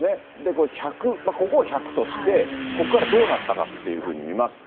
これ、ここを１００として、ここからどうなったかっていうふうに見ますと。